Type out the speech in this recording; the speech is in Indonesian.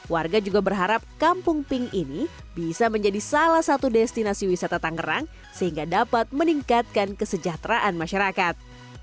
warga juga berharap kampung pink ini bisa menjadi salah satu destinasi wisata tangerang sehingga dapat meningkatkan kesejahteraan masyarakat